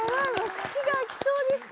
口が開きそうでした！